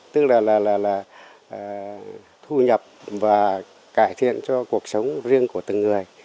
tức là là là là là thu nhập và cải thiện cho cuộc sống riêng của từng người